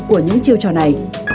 của những chiêu trò này